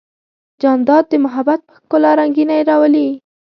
جانداد د محبت په ښکلا رنګینی راولي.